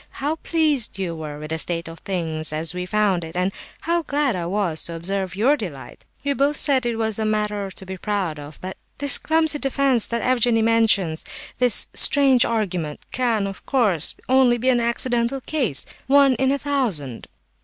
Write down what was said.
How pleased you were with the state of things as we found it, and how glad I was to observe your delight! We both said it was a matter to be proud of; but this clumsy defence that Evgenie mentions, this strange argument can, of course, only be an accidental case—one in a thousand!"